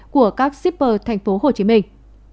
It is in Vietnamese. của các shipper thành phố hồ chí minh